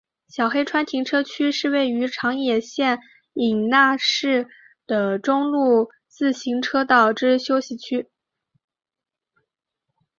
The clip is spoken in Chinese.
小黑川停车区是位于长野县伊那市的中央自动车道之休息区。